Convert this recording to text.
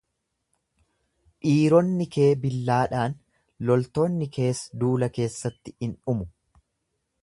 Dhiironni kee billaadhaan, loltoonni kees duula keessatti in dhumu.